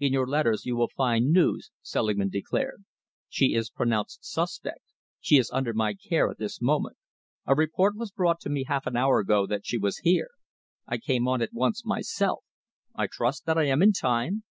"In your letters you will find news," Selingman declared. "She is pronounced suspect. She is under my care at this moment. A report was brought to me half an hour ago that she was here. I came on at once myself. I trust that I am in time?"